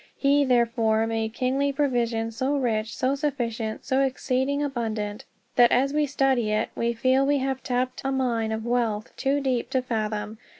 He, therefore, made kingly provision so rich, so sufficient, so exceeding abundant, that as we study it, we feel we have tapped a mine of wealth, too deep to fathom.